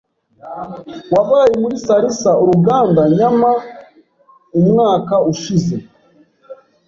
Wabaye muri Salsa uruganda nyama umwaka ushize?